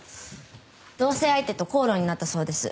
同棲相手と口論になったそうです。